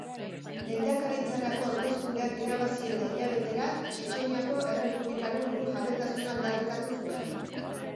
Lehendakaritzarako hauteskundeak irabazi eta hilabetera, Txetxeniako Errepublikaren burujabetasuna aldarrikatu zuen.